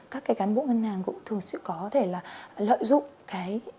các cán bộ ngân hàng cũng thường sẽ có thể lợi dụng